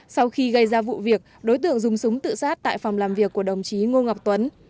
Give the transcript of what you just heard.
sau khi gây ra vụ việc đối tượng dùng súng tự sát tại phòng làm việc của đồng chí ngô ngọc tuấn